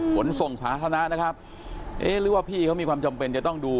ขนส่งสาธารณะนะครับเอ๊ะหรือว่าพี่เขามีความจำเป็นจะต้องดู